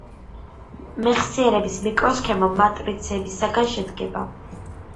მეხსიერების მიკროსქემა მატრიცებისგან შედგება